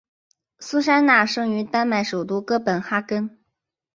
苏珊娜生于丹麦首都哥本哈根。